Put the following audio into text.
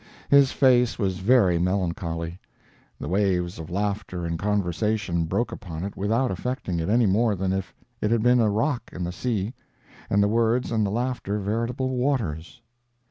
His face was very melancholy. The waves of laughter and conversation broke upon it without affecting it any more than if it had been a rock in the sea and the words and the laughter veritable waters.